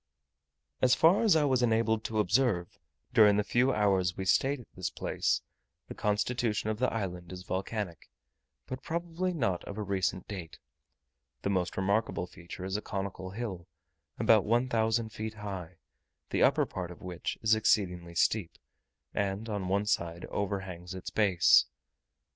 As far as I was enabled to observe, during the few hours we stayed at this place, the constitution of the island is volcanic, but probably not of a recent date. The most remarkable feature is a conical hill, about one thousand feet high, the upper part of which is exceedingly steep, and on one side overhangs its base.